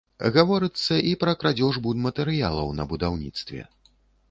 Гаворыцца і пра крадзеж будматэрыялаў на будаўніцтве.